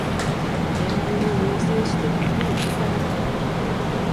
援軍を要請しても来る気配はない